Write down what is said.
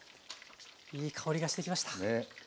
いい香りがしてきました。